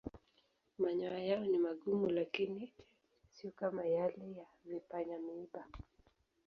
Manyoya yao ni magumu lakini siyo kama yale ya vipanya-miiba.